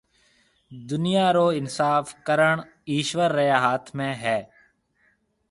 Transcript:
دُنيا رو اِنصاف ڪرڻ ايشوَر ريَ هاٿ ۾ هيَ۔